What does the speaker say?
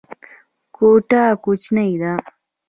کوټه کوچنۍ ده.